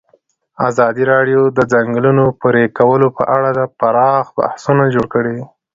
ازادي راډیو د د ځنګلونو پرېکول په اړه پراخ بحثونه جوړ کړي.